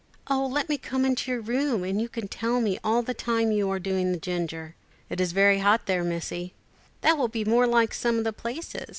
_] "Oh, let me come into your room, and you can tell me all the time you are doing the ginger." "It is very hot there, Missie." "That will be more like some of the places.